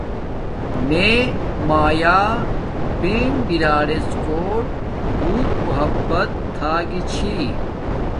میے مایا بہن بِراریڎ کوٹ بوت محبت تھا گی چھی